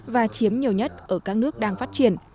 và chiếm nhiều nhất ở các nước đang phát triển